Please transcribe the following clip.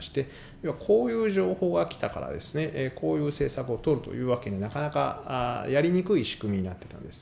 要はこういう情報が来たからこういう政策をとるという訳になかなかやりにくい仕組みになってたんです。